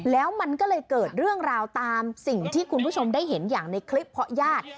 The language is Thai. แล้วมันก็เลยเกิดเรื่องราวตามสิ่งที่คุณผู้ชมได้เห็นอย่างในคลิปเพราะญาติ